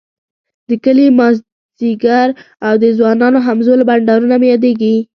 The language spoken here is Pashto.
د کلي ماذيګر او د ځوانانو همزولو بنډارونه مي ياديږی